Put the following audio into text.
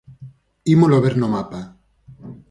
Ímolo ver no mapa.